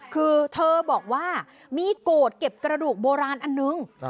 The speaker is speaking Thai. คือเธอบอกว่ามีโกรธเก็บกระดูกโบราณอันนึง